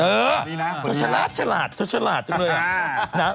เออเฉลาดเฉลาดจริงเลยนะ